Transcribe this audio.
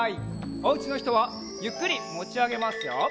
おうちのひとはゆっくりもちあげますよ。